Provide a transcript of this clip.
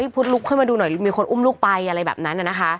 พุทธลุกขึ้นมาดูหน่อยมีคนอุ้มลูกไปอะไรแบบนั้น